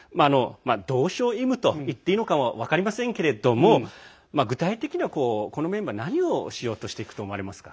同床異夢といっていいのか分かりませんけど具体的には、このメンバー何をしていくと思われますか？